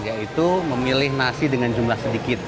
yaitu memilih nasi dengan jumlah sedikit